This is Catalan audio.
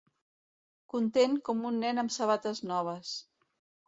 Content com un nen amb sabates noves.